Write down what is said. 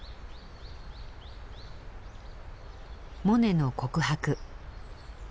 モネの告白。